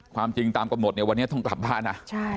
ความจริงตามกำหนดเนี่ยวันนี้ต้องกลับบ้านนะ